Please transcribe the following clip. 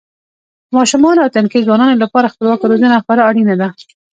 ماشومانو او تنکیو ځوانانو لپاره خپلواکه روزنه خورا اړینه ده.